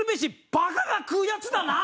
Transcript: バカが食うやつだな！